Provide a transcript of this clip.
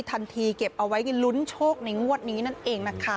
เก็บเอาไว้ลุ้นโชคในงวดนี้นั่นเองนะคะ